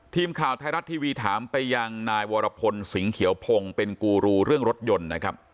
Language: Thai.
ทีมข่าวไทยรัฐทีวีถามไปยังนายวรพลสิงห์เขียวพงศ์เป็นกูรูเรื่องรถยนต์นะครับ